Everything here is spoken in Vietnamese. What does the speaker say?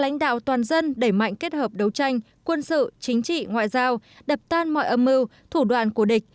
lãnh đạo toàn dân đẩy mạnh kết hợp đấu tranh quân sự chính trị ngoại giao đập tan mọi âm mưu thủ đoàn của địch